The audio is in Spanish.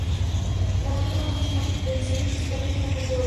La banda atrajo mucho la atención en principalmente en Japón y toda Europa.